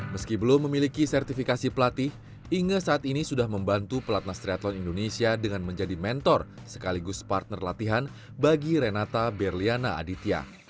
meski belum memiliki sertifikasi pelatih inge saat ini sudah membantu pelatnas triathlon indonesia dengan menjadi mentor sekaligus partner latihan bagi renata berliana aditya